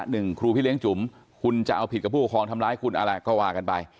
หนึ่งครูพี่เลี้ยงจุ๋มคุณจะเอาผิดกับผู้ปกครองทำร้ายคุณอะไรก็ว่ากันไป